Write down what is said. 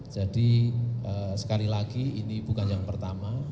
jadi sekali lagi ini bukan yang pertama